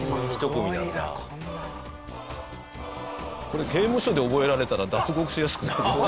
これ刑務所で覚えられたら脱獄しやすくなるね。